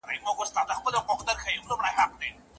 تکلم او تلفظ ئې کيدلای سي؛ خو په معنی ئې څوک نپوهيږي.